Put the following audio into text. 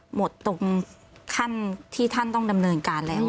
หมดตรงขั้นที่ท่านต้องดำเนินการแล้ว